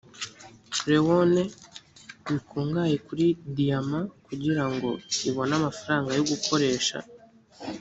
lewone bikungahaye kuri diyama kugira ngo ibone amafaranga yo gukoresha